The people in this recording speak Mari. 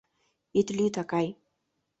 Ит лӱд, акай.